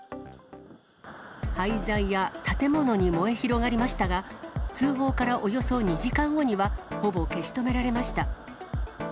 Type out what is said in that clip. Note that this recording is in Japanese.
廃材や建物に燃え広がりましたが、通報からおよそ２時間後には、ほぼ消し止められました。